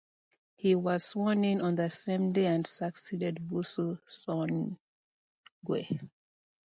He was sworn in on the same day and succeeded Vusi Shongwe.